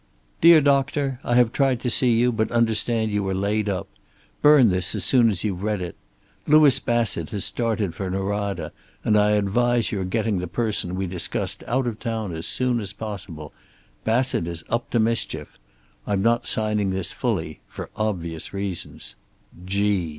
"Dear Doctor: I have tried to see you, but understand you are laid up. Burn this as soon as you've read it. Louis Bassett has started for Norada, and I advise your getting the person we discussed out of town as soon as possible. Bassett is up to mischief. I'm not signing this fully, for obvious reasons.